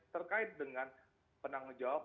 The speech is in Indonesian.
terkait dengan penanggung jawab